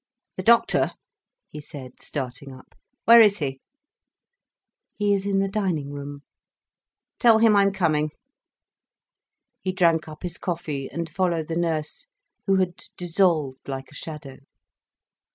"The doctor!" he said, starting up. "Where is he?" "He is in the dining room." "Tell him I'm coming." He drank up his coffee, and followed the nurse, who had dissolved like a shadow.